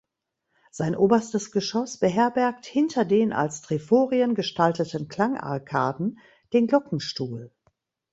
Sein oberstes Geschoss beherbergt hinter den als Triforien gestalteten Klangarkaden den Glockenstuhl.